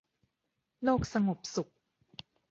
โลกสงบสุข